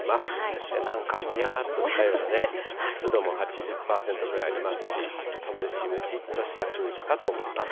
そしてなんかもやーっとしたようなね、湿度も８０％ぐらいありますし、ちょっとムシムシっとした空気かと思います。